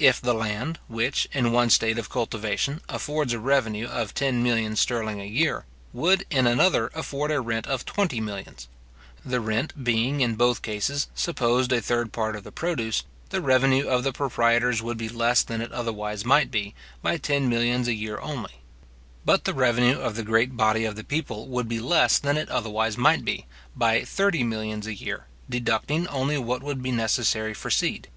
If the land which, in one state of cultivation, affords a revenue of ten millions sterling a year, would in another afford a rent of twenty millions; the rent being, in both cases, supposed a third part of the produce, the revenue of the proprietors would be less than it otherwise might be, by ten millions a year only; but the revenue of the great body of the people would be less than it otherwise might be, by thirty millions a year, deducting only what would be necessary for seed.